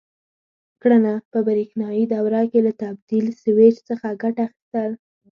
کړنه: په برېښنایي دوره کې له تبدیل سویچ څخه ګټه اخیستل: